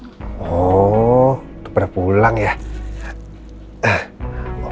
kau selalu berk naywar